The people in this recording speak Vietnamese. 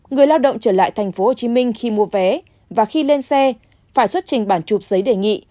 người lao động trở lại tp hcm khi mua vé và khi lên xe phải xuất trình bản chụp giấy đề nghị